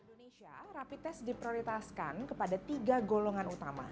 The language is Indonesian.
di indonesia rapi tes diprioritaskan kepada tiga golongan utama